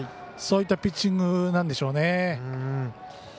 そういったピッチングなんでしょうね。